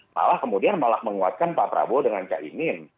malah kemudian malah menguatkan pak prabowo dengan kak imin